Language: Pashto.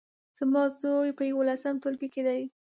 زما زوی په يولسم ټولګي کې دی